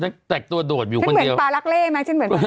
อุ๊ยแต่กตัวโดดคิดเหมือนปาลั็กเล่ไหม